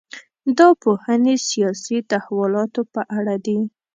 دا پوهنې سیاسي تحولاتو په اړه دي.